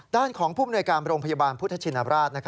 ด้านของผู้มนวยการโรงพยาบาลพุทธชินราช